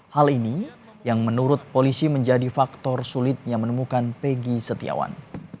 hal ini yang menurut polisi menjadi faktor sulitnya menemukan peggy setiawan